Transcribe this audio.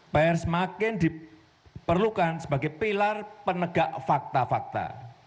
pr semakin diperlukan sebagai pilar penegak fakta fakta